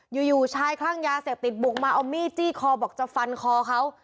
อยู่ชายคลั่งยาเสพติดบุกมาเอามีดจี้คอบอกจะฟันคอเขา